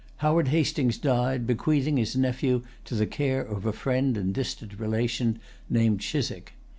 Howard Hastings died, bequeathing his nephew to the care of a friend and distant relation, named Chiswick.